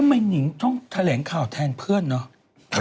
หนิงต้องแถลงข่าวแทนเพื่อนเนอะ